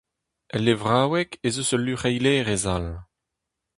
El levraoueg ez eus ul luc'heilerez all.